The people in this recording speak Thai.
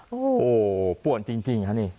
โหป่วนจริงนะนี่